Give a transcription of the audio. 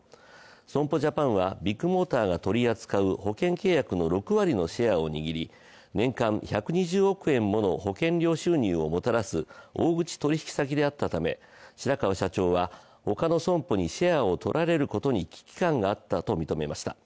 損保ジャパンはビッグモーターが取り扱う保険契約の６割のシェアを握り年間１２０億円もの保険料収入をもたらす大口取引先であっため白川社長は他の損保にシェアを取られることに危機感があったと認めました。